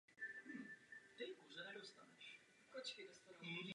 Film dále získal Oscara za nejlepší kameru.